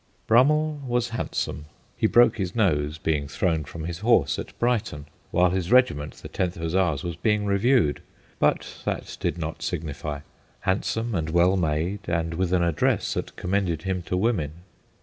Brummell was handsome he broke his nose, being thrown from his horse, at Brighton, while his regiment, the 10th Hussars, was being reviewed, but that did not signify handsome and well made, and with an address that commended him to women.